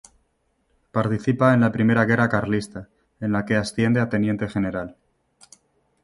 Participa en la primera Guerra carlista en la que asciende a Teniente General.